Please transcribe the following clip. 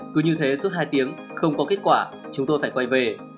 cứ như thế suốt hai tiếng không có kết quả chúng tôi phải quay về